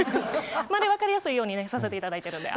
分かりやすいようにさせていただいてるので。